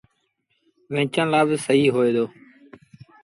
ويٚنچڻ لآ با سهيٚ هوئي دو۔